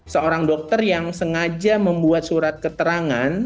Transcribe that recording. seorang dokter yang sengaja membuat surat keterangan